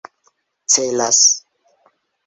celas